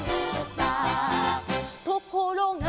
「ところが」